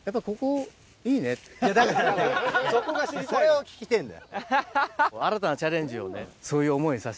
それを聞きてぇんだよ。